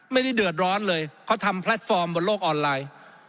ไม่ได้เดือดร้อนเลยเขาทำแพลตฟอร์มบนโลกออนไลน์